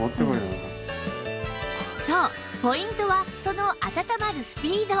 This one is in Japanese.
そうポイントはそのあたたまるスピード